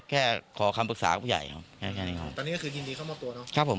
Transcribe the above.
แค่ขอคำปรึกษากับผู้ใหญ่ครับ